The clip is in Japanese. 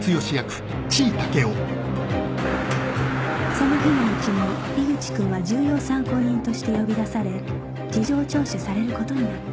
その日のうちに井口君は重要参考人として呼び出され事情聴取されることになった